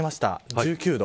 １９度。